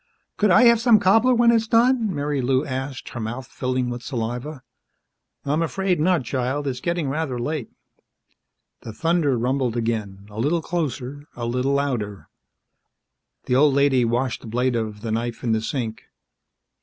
"Could I have some cobbler when it's done?" Marilou asked, her mouth filling with saliva. "I'm afraid not, child. It's getting rather late." The thunder rumbled again a little closer, a little louder. The old lady washed the blade of the knife in the sink.